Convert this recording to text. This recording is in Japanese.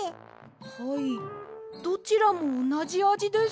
はいどちらもおなじあじです。